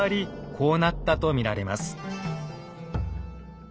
こうなったと見られます。